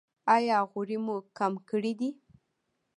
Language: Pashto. ایا غوړي مو کم کړي دي؟